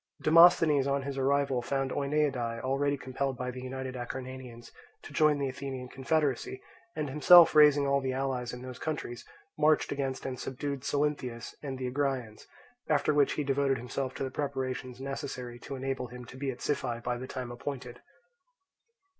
Demosthenes on his arrival found Oeniadae already compelled by the united Acarnanians to join the Athenian confederacy, and himself raising all the allies in those countries marched against and subdued Salynthius and the Agraeans; after which he devoted himself to the preparations necessary to enable him to be at Siphae by the time appointed.